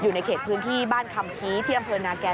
อยู่ในเขตพื้นที่บ้านคำพีที่อำเภอนาแก่